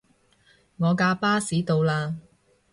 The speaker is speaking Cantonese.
我架巴士到喇